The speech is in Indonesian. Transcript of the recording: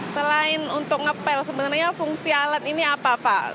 selain untuk ngepel sebenarnya fungsi alat ini apa pak